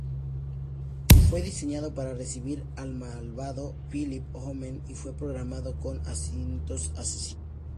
Fue diseñado para servir al malvado Phillip Omen y fue programado con instintos asesinos.